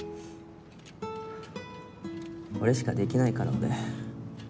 これしかできないから俺。